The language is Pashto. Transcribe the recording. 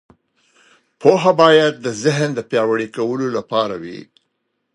پوهه باید د ذهن د پیاوړي کولو لپاره وي.